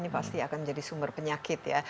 pasti akan menjadi sumber penyakit ya